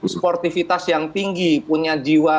sportivitas yang tinggi punya jiwa